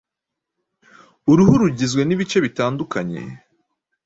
Uruhu rugizwe n’ibice bitandukanye